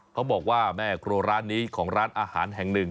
เขาบอกว่าแม่ครัวร้านนี้ของร้านอาหารแห่งหนึ่ง